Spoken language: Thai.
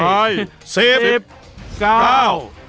หมดเวลา